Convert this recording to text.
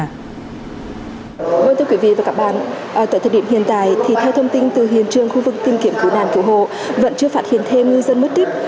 vâng thưa quý vị và các bạn tại thời điểm hiện tại thì theo thông tin từ hiện trường khu vực tìm kiếm cứu nàn cứu hồ vẫn chưa phát hiện thêm ngư dân mất tích